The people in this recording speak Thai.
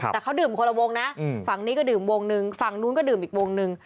แต่เขาดื่มคนละวงนะฝั่งนี้ก็ดื่มวงหนึ่งฝั่งนู้นก็ดื่มอีกวงนึง